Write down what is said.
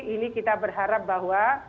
ini kita berharap bahwa